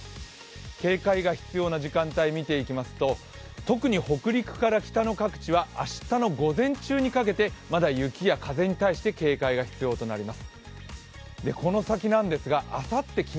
警戒が必要な時間帯、見ていきますと、特に北陸から北の各地は明日の午前中にかけてまだ、雪や風に対して警戒が必要です。